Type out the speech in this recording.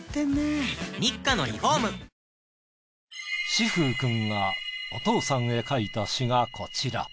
詩風くんがお父さんへ書いた詩がこちら。